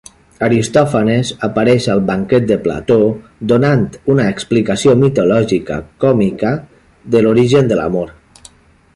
Aristòfanes apareix al Banquet de Plató, donant una explicació mitològica còmica de l'origen de l'amor.